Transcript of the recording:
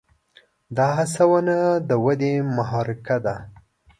دا هڅونه د ودې محرکه ده.